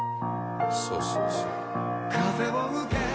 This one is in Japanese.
そうそうそう」